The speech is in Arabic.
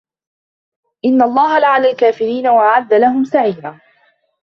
إِنَّ اللَّهَ لَعَنَ الكافِرينَ وَأَعَدَّ لَهُم سَعيرًا